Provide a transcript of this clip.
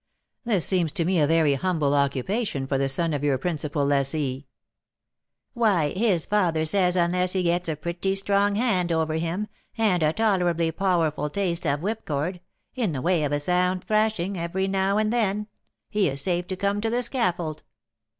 "This seems to me a very humble occupation for the son of your principal lessee." "Why, his father says unless he gets a pretty strong hand over him, and a tolerably powerful taste of whipcord, in the way of a sound thrashing, every now and then, he is safe to come to the scaffold.